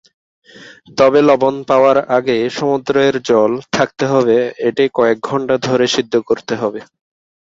তবে লবণ পাওয়ার আগে সমুদ্রের জল থাকতে হবে এটি কয়েক ঘন্টা ধরে সিদ্ধ করতে হবে।